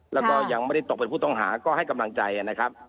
แล้วก็ยังไม่ได้ตกเป็นผู้ต้องหาก็ให้กำลังใจนะครับ